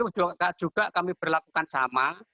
nah itu juga kami berlakukan sama